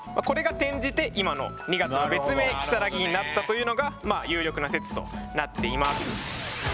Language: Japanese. これが転じて今の２月の別名如月になったというのが有力な説となっています。